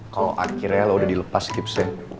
kalo akhirnya lo udah dilepas gifsnya